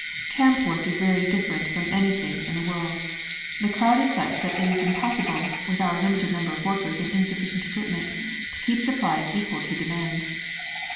Camp work is different from anything in the world. The crowd is such that it is impossible (with our limited number of workers and insufficient equipment) to keep supplies equal to demand.